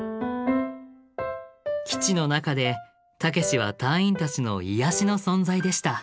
基地の中でたけしは隊員たちの癒やしの存在でした。